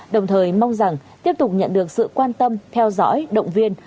đồng thời mong rằng tiếp tục nhận được sự quan tâm theo dõi động viên